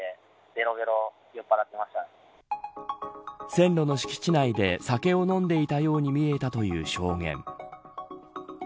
線路の敷地内で酒を飲んでいたように見えたという証言。